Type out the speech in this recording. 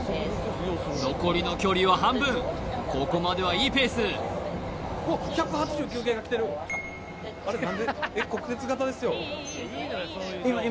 残りの距離は半分ここまではいいペース国鉄型ですよ